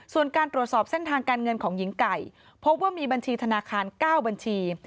ส่วนการตรวจสอบเส้นทางการเงินของหญิงไก่พบว่ามีบัญชีธนาคาร๙บัญชี